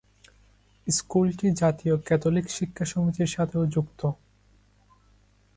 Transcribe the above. স্কুলটি জাতীয় ক্যাথলিক শিক্ষা সমিতির সাথেও যুক্ত।